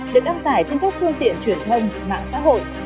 được đăng tải trên các phương tiện truyền thông mạng xã hội